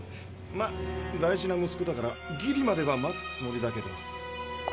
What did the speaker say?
まあ大事な息子だからギリまでは待つつもりだけど。